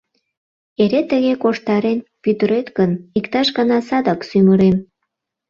Эре тыге корштарен пӱтырет гын, иктаж гана садак сӱмырем».